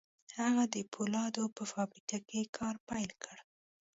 هغه د پولادو په فابريکه کې کار پيل کړ.